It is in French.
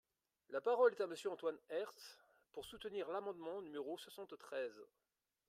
La parole est à Monsieur Antoine Herth, pour soutenir l’amendement numéro soixante-treize.